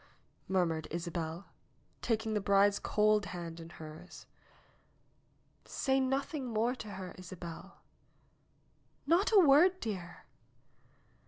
murmured Isabel, taking the bride's cold hand in hers. "Say nothing more to her, Isabel." "Not a word, dear."